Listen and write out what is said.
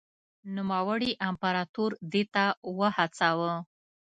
نوموړي امپراتور دې ته وهڅاوه.